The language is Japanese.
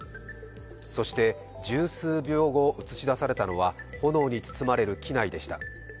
そして十数秒後映し出されたのは、炎に包まれる機内でした。